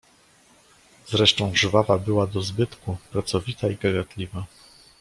"Zresztą żwawa była do zbytku, pracowita i gadatliwa."